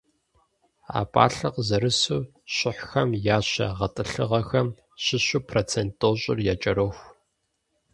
А пӀалъэр къызэрысу, щыхьхэм я щэ гъэтӏылъыгъэхэм щыщу процент тӀощӀыр якӀэроху.